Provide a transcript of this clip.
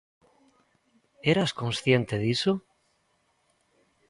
Eras consciente diso?